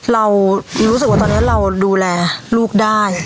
เรารู้สึกว่าตอนนี้เราดูแลลูกได้